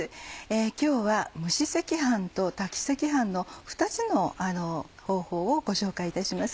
今日は「蒸し赤飯」と「炊き赤飯」の２つの方法をご紹介いたします。